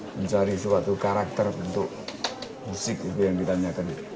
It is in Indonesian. mencari suatu karakter bentuk musik itu yang ditanyakan